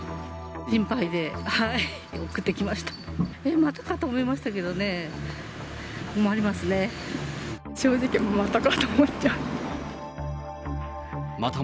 心配で、送ってきました。